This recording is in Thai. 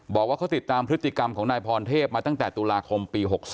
บอกว่าเขาติดตามพฤติกรรมของนายพรเทพมาตั้งแต่ตุลาคมปี๖๒